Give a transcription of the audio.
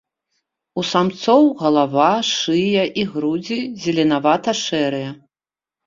У самцоў галава, шыя і грудзі зеленавата-шэрыя.